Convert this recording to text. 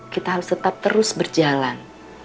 kita harus tetap terus berjalan